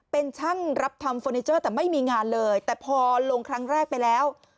เป็นช่างรับทำเฟอร์นิเจอร์แต่ไม่มีงานเลยแต่พอลงครั้งแรกไปแล้ว